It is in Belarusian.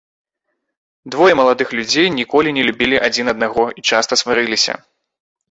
Двое маладых людзей ніколі не любілі адзін аднаго і часта сварыліся.